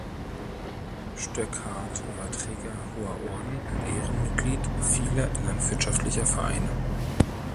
Stöckhardt war Träger hoher Orden und Ehrenmitglied vieler landwirtschaftlicher Vereine.